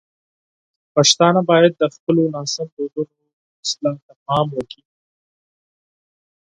پښتانه باید د خپلو ناسم دودونو اصلاح ته پام وکړي.